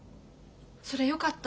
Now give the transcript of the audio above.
それよかった？